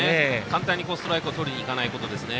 簡単にストライクをとりにいかないことですね。